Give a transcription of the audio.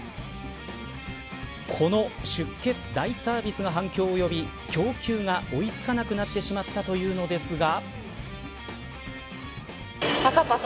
この出血大サービスが反響を呼び供給が追いつかなくなってしまったというのですが。